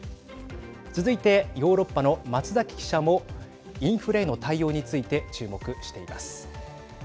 続いて、ヨーロッパの松崎記者もインフレへの対応について注目しています。